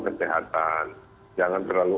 kesehatan jangan terlalu